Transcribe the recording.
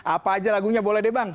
apa aja lagunya boleh deh bang